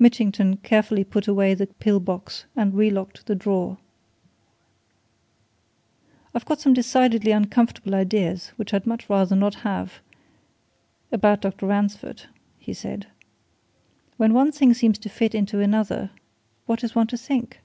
Mitchington carefully put away the pill box and relocked the drawer. "I've got some decidedly uncomfortable ideas which I'd much rather not have about Dr. Ransford," he said. "When one thing seems to fit into another, what is one to think.